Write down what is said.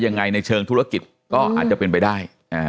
แต่ยังไงในเชิงธุรกิจก็อาจจะเป็นไปได้